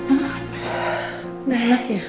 udah enak ya